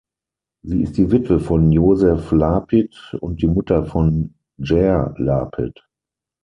Sie ist die Witwe von Josef Lapid und die Mutter von Jair Lapid.